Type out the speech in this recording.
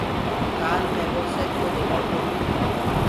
ڪآل مي موٽر سيڪلو دي ٻݪ گو تو۔